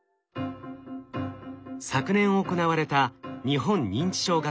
昨年行われた日本認知症学会学術集会。